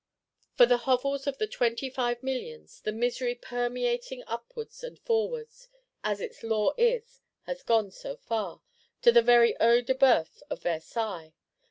For the hovels of the Twenty five Millions, the misery, permeating upwards and forwards, as its law is, has got so far,—to the very Œil de Bœuf of Versailles.